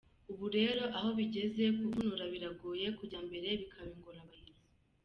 Ubu rero aho bigeze, kuvunura biragoye, kujya mbere bikaba ingorabahizi.